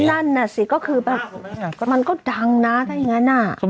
นั่นน่ะสิก็คือแบบมันก็ดังนะถ้าอย่างนั้น